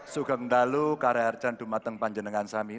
sugengdalu kareharjan dumateng panjenengan sami